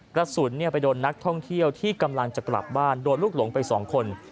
กระสุนไปโดนนักท่องเที่ยวที่กำลังจะกลับบ้านโดนลูกหลงไป๒คน